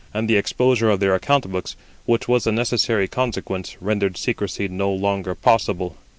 and the exposure of their account books, which was the necessary consequence, rendered secrecy no longer possible.